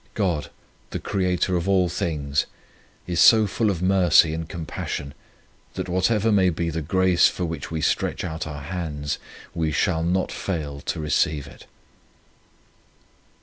105 On Union with God the Creator of all things, is so full of mercy and compassion that whatever may be the grace for which we stretch out our hands, we shall not fail to receive it."